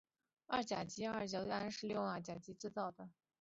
二甲基甲醯胺是利用甲酸和二甲基胺制造的。